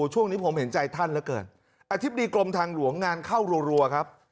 ช่วงนี้ผมเห็นใจท่านเหลือเกินอธิบดีกรมทางหลวงงานเข้ารัวครับ